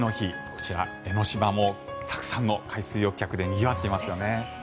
こちら、江の島もたくさんの海水浴客でにぎわっていますよね。